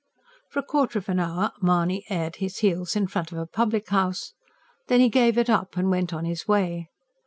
For a quarter of an hour Mahony aired his heels in front of a public house. Then he gave it up, and went on his way.